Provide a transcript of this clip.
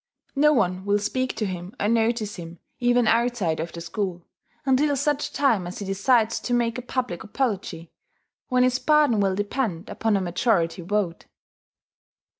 No one will speak to him or notice him even outside of the school, until such time as he decides to make a public apology, when his pardon will depend upon a majority vote.